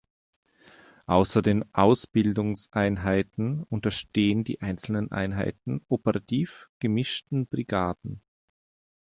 Außer den Ausbildungseinheiten unterstehen die einzelnen Einheiten operativ gemischten Brigaden.